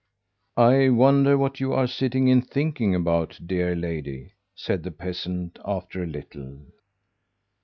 "'I wonder what you are sitting and thinking about, dear lady,' said the peasant after a little.